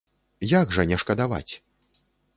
Як жа не шкадаваць?